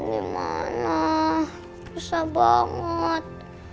gimana susah banget